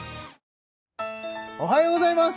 おはようございます！